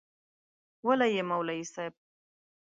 وله یی مولوی صیب